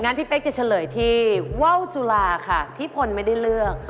พี่เป๊กจะเฉลยที่ว่าวจุลาค่ะที่พลไม่ได้เลือก